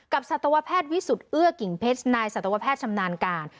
สัตวแพทย์วิสุทธิ์เอื้อกิ่งเพชรนายสัตวแพทย์ชำนาญการ